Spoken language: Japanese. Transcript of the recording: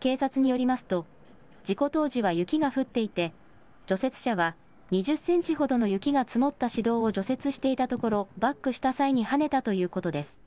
警察によりますと事故当時は雪が降っていて除雪車は２０センチほどの雪が積もった市道を除雪していたところバックした際にはねたということです。